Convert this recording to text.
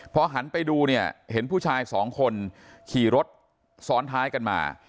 พอหันไปดูเนี่ยเห็นผู้ชายสองคนขี่รถซ้อนท้ายกันมา